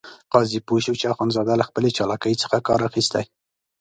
قاضي پوه شو چې اخندزاده له خپلې چالاکۍ څخه کار اخیستی.